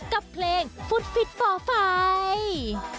กับเพลงฟุตฟิตฟอร์ไฟ